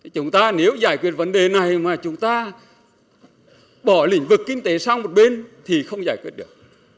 chúng ta nếu giải quyết vấn đề này mà chúng ta bỏ lĩnh vực kinh tế sang một bên thì không giải quyết được